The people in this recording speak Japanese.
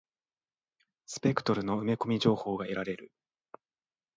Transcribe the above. スペクトルの埋め込み情報が得られる。